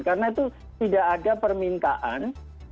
karena itu tidak ada permintaan